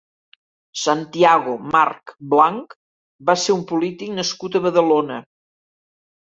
Santiago March Blanch va ser un polític nascut a Badalona.